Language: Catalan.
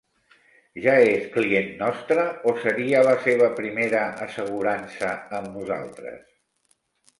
Ja és client nostre, o seria la seva primera assegurança amb nosaltres?